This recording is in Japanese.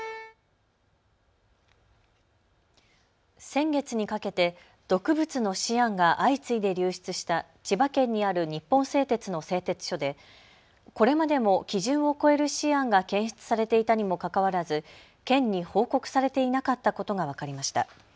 先月にかけて毒物のシアンが相次いで流出した千葉県にある日本製鉄の製鉄所でこれまでも基準を超えるシアンが検出されていたにもかかわらず県に報告されていなかったことが分かりました。